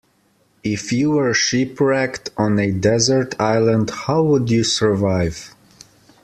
If you were shipwrecked on a deserted island, how would you survive?